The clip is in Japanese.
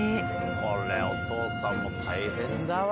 これお父さんも大変だわ！